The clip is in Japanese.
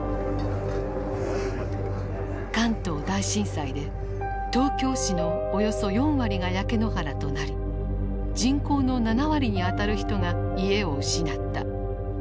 関東大震災で東京市のおよそ４割が焼け野原となり人口の７割にあたる人が家を失った。